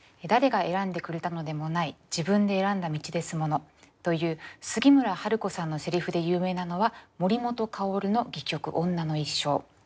「“誰が選んでくれたのでもない自分で選んだ道ですもの”という杉村春子さんの台詞で有名なのは森本薫の戯曲『女の一生』。